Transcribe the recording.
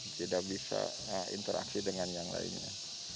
tidak bisa interaksi dengan yang lainnya